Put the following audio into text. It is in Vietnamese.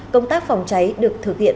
công tác phòng cháy được thực hiện